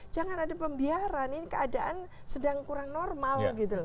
jangan ada pembiaraan ini keadaan sedang kurang normal gitu